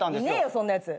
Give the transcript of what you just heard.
そんなやつ。